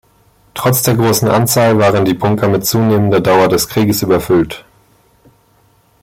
Trotz der großen Anzahl waren die Bunker mit zunehmender Dauer des Krieges überfüllt.